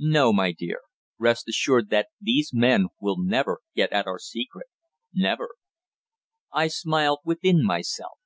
No, my dear; rest assured that these men will never get at our secret never." I smiled within myself.